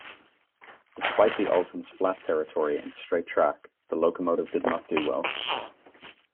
Despite the Alton's flat territory and straight track, the locomotive did not do well.